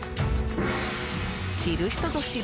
知る人ぞ知る